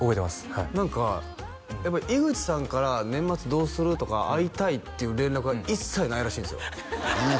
はい何かやっぱ井口さんから年末どうする？とか会いたいっていう連絡が一切ないらしいんですよ何や？